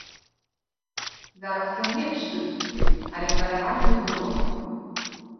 Зараз ён лепш выступіў, але хваляванне было.